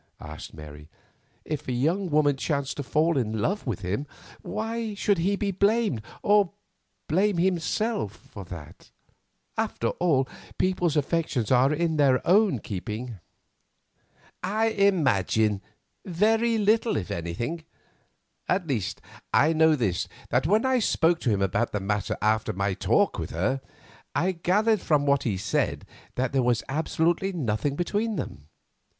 asked Mary. "If a young woman chanced to fall in love with him, why should he be blamed, or blame himself for that? After all, people's affections are in their own keeping." "I imagine—very little, if anything. At least, I know this, that when I spoke to him about the matter after my talk with her, I gathered from what he said that there was absolutely nothing between them.